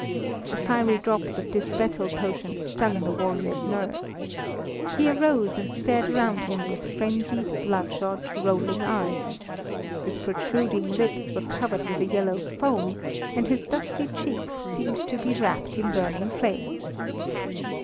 The fiery drops of this battle potion stung the warrior's nerves. He arose and stared around him with frenzied, bloodshot, rolling eyes. His protruding lips were covered with a yellow foam and his dusky cheeks seemed to be wrapped in burning flames.